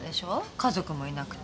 家族もいなくて。